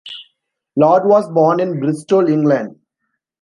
Lord was born in Bristol, England.